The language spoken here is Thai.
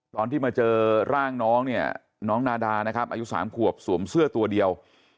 ตอนที่มาเจอร่างน้องน้องนาดาอายุ๓ขวบสวมเสื้อตัวเดียว